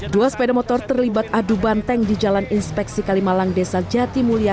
dua sepeda motor terlibat adu banteng di jalan inspeksi kalimalang desa jatimulya